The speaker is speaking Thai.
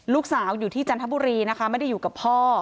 ลูกสาวอยู่ที่จันทบุรีนะคะไม่ได้อยู่กับพ่อ